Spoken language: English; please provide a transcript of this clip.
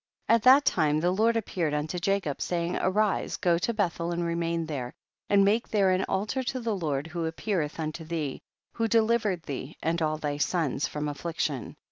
At that time the Lord appeared unto Jacob saving, arise, go to Bethel and remain there, and make there an altar to the Lord who appeareth unto thee, who delivered thee and all thy sons from affliction.